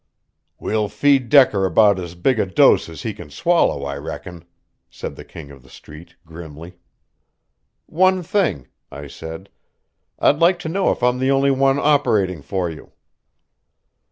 "We'll feed Decker about as big a dose as he can swallow, I reckon," said the King of the Street grimly. "One thing," I said, "I'd like to know if I'm the only one operating for you."